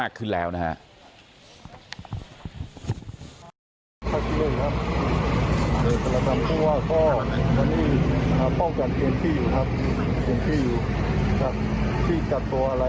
ขึ้นแล้วนะฮะ